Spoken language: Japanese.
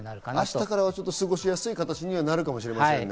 明日からは過ごしやすい形なるかもしれませんね。